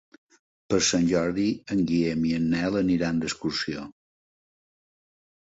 Per Sant Jordi en Guillem i en Nel aniran d'excursió.